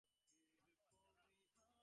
আসো, বাচ্চারা।